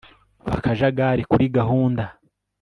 akajagari kuri gahunda